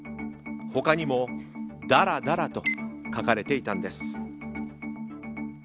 他にもだらだらと書かれていたんです。